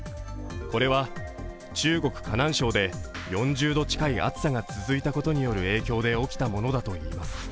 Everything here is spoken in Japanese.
これは中国・河南省で４０度近い暑さが続いたことによる影響で起きたものだといいます。